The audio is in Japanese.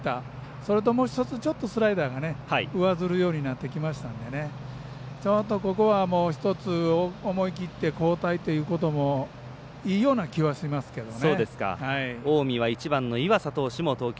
それと、もう１つちょっとスライダーが上ずるようになってきましたのでちょっとここはもう１つ思い切って交代ということもいいような気はしますけどね。